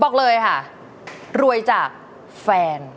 บอกเลยค่ะรวยจากแฟน